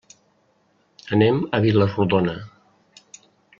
Anem a Vila-rodona.